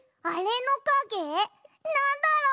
なんだろう？